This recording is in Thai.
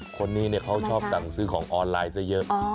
คนนี้เขาชอบสั่งซื้อของออนไลน์ซะเยอะ